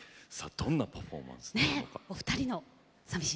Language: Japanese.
どんなパフォーマンスなのか。